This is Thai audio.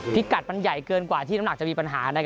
พิกัดมันใหญ่เกินกว่าที่น้ำหนักจะมีปัญหา